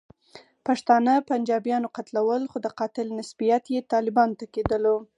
پښتانه پنجابیانو قتلول، خو د قاتل نسبیت یې طالبانو ته کېدلو.